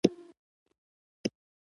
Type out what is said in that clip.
نه یې کوم روایت لرې.